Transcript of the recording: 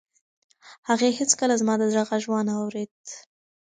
هغې هیڅکله زما د زړه غږ و نه اورېد.